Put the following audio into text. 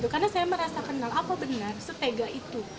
karena saya merasa kenal apa benar setega itu